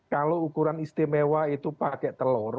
kalau ukuran istimewa itu pakai telur